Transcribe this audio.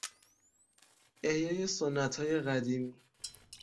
احیای سنتهای قدیمی